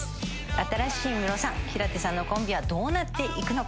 新しいムロさん平手さんのコンビはどうなっていくのか？